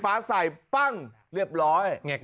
สวัสดีครับคุณผู้ชาย